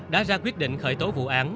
đã ra quyết định khởi tố vụ án